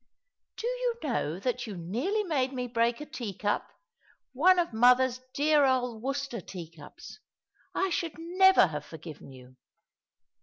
" Do you know that you nearly made me break a tea cup — one of mother's dear old Worcester tea cups ? I should never have forgiven you."